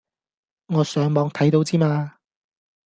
我上網睇到之嘛